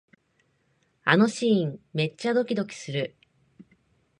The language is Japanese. あのシーン、めっちゃドキドキする